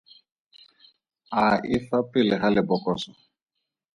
A e fa pele ga lebokoso?